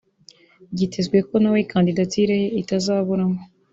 byitezwe ko nawe kandidatire ye itazaburamo